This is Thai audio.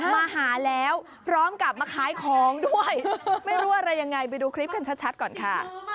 มาหาแล้วพร้อมกลับมาขายของด้วยไม่รู้อะไรยังไงไปดูคลิปกันชัดก่อนค่ะ